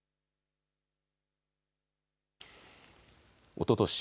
おととし